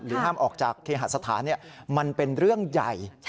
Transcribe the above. ห้ามออกจากเคหสถานมันเป็นเรื่องใหญ่